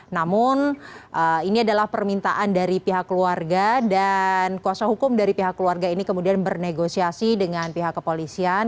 namun ini adalah permintaan dari pihak keluarga dan kuasa hukum dari pihak keluarga ini kemudian bernegosiasi dengan pihak kepolisian